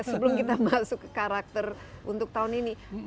sebelum kita masuk ke karakter untuk tahun ini